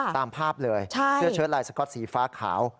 ตามภาพเลยเสื้อเชิดลายสก๊อตสีฟ้าขาว